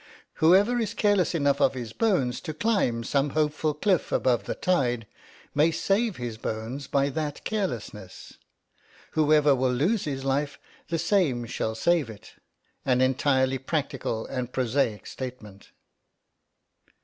Whoever is careless enough of his bones to climb some hopeful cliff above the tide may save his bones by that carelessness. Whoever will lose his life, the same shall save it; an entirely practical and prosaic statement.